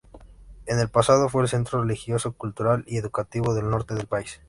En el pasado fue el centro religioso, cultural y educativo, del norte del país.